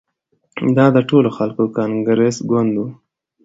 دا د ټولو خلکو کانګرس ګوند وو.